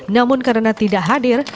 namun karena tidak hadir